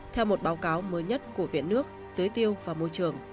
theo một báo cáo mới nhất của viện nước tưới tiêu và môi trường